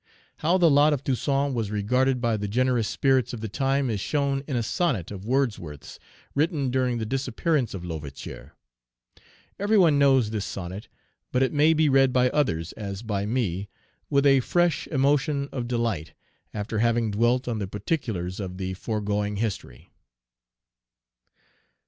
How the lot of Toussaint was regarded by the generous spirits of the time is shown in a sonnet of Wordsworth's, written during the disappearance of L'Ouverture. Every one knows this sonnet; but it may be read by others, as by me, with a fresh emotion of delight, after having dwelt on the particulars of the foregoing history.